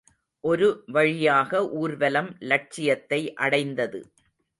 ஒரு வழியாக ஊர்வலம் லட்சியத்தை அடைந்தது.